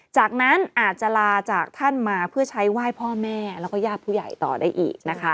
จากนั้นอาจจะลาจากท่านมาเพื่อใช้ไหว้พ่อแม่แล้วก็ญาติผู้ใหญ่ต่อได้อีกนะคะ